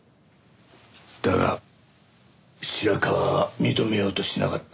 だが白河は認めようとしなかった。